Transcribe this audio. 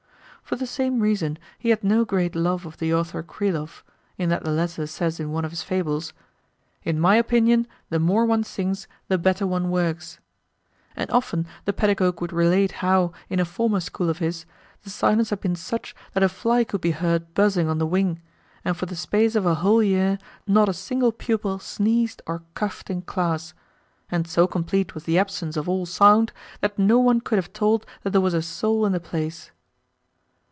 For the same reason he had no great love of the author Krylov, in that the latter says in one of his Fables: "In my opinion, the more one sings, the better one works;" and often the pedagogue would relate how, in a former school of his, the silence had been such that a fly could be heard buzzing on the wing, and for the space of a whole year not a single pupil sneezed or coughed in class, and so complete was the absence of all sound that no one could have told that there was a soul in the place.